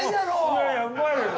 いやいやうまいですよ。